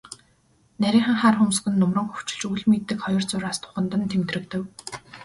Нарийхан хар хөмсөг нь нумран хөвчилж, үл мэдэг хоёр зураас духанд нь тэмдгэрэв.